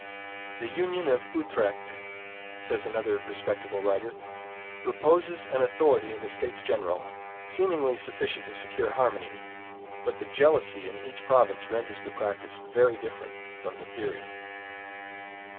The union of Utrecht, says another respectable writer, reposes an authority in the States General, seemingly sufficient to secure harmony, but the jealousy in each province renders the practice very different from the theory.